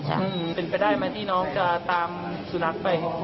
ฮึมเป็นไปได้ที่น้องก็จะตามสุนัขไป